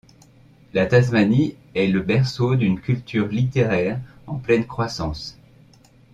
La Tasmanie est le berceau d'une culture littéraire en pleine croissance.